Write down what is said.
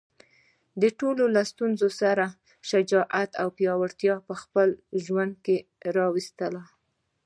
د ټولو له ستونزو سره شجاعت او پیاوړتیا په خپل ژوند کې راوستل.